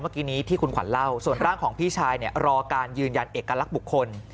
เมื่อกี้นี้ที่คุณขวัญเล่าส่วนร่างของพี่ชายรอการยืนยันเอกลักษณ์บุคคล